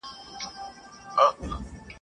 دغه زما غیور ولس دی..